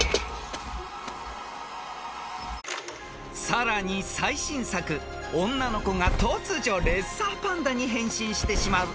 ［さらに最新作女の子が突如レッサーパンダに変身してしまう］